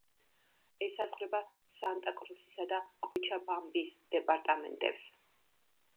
ესაზღვრება სანტა-კრუსისა და კოჩაბამბის დეპარტამენტებს.